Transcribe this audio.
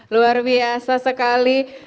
luar biasa sekali